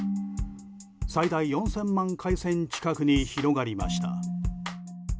最大４０００万回線近くに広がりました。